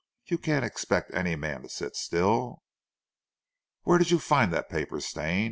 You can't expect any man to sit still." "Where did you find that paper, Stane?"